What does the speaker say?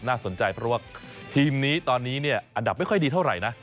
น่าสนใจเพราะว่าทีมนี้ตอนนี้เนี่ยอันดับไม่ค่อยดีเท่าไหร่นะ